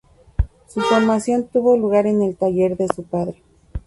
Su formación tuvo lugar en el taller de su padre.